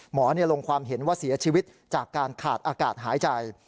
ลงความเห็นว่าเสียชีวิตจากการขาดอากาศหายใจ